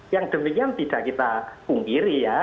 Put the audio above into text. yang demikian tidak kita pungkiri ya